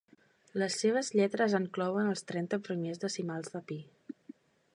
Les seves lletres enclouen els trenta primers decimals de pi.